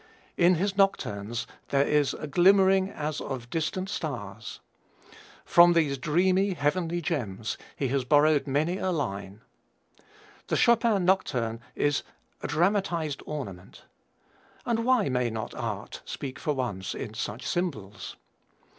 In his nocturnes there is a glimmering as of distant stars. From these dreamy, heavenly gems he has borrowed many a line. The Chopin nocturne is a dramatized ornament. And why may not Art speak for once in such symbols?